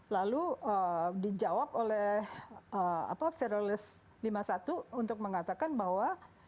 lalu dijawab oleh federalless lima puluh satu untuk mengatakan bahwa